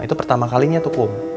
itu pertama kalinya tuh kum